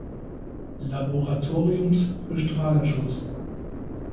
Laboratoriums für Strahlenschutz.